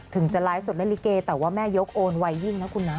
ถึงจะไล่สดแม่ลิเกย์แต่ว่าแม่ยกโอนไว้ยิ่งนะคุณนะ